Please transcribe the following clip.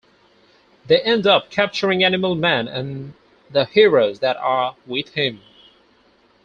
They end up capturing Animal Man and the heroes that are with him.